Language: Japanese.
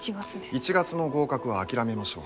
１月の合格は諦めましょう。